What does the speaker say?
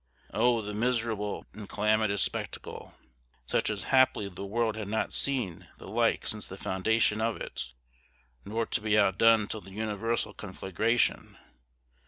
Oh the miserable and calamitous spectacle! such as haply the world had not seen the like since the foundation of it, nor to be outdone till the universal conflagration.